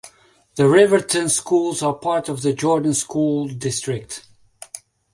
The Riverton schools are part of the Jordan School District.